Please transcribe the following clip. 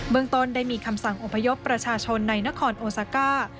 เมืองต้นได้มีคำสั่งอพยพประชาชนในนครโอซาก้า